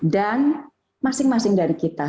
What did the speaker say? dan masing masing dari kita